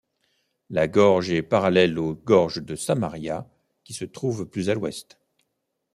La gorge est parallèle aux gorges de Samaria, qui se trouvent plus à l'ouest.